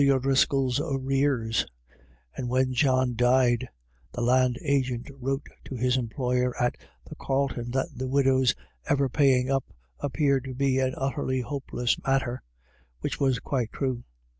157 O'Driscolls' arrears ; and when John died, the land agent wrote to his employer at the Carlton that the widow's ever paying up appeared to be an utterly hopeless matter — which was quite true.